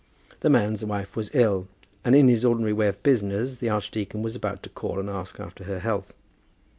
The man's wife was ill, and in his ordinary way of business the archdeacon was about to call and ask after her health.